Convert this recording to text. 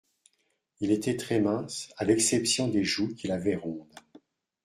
Il était très mince, à l’exception des joues qu’il avait rondes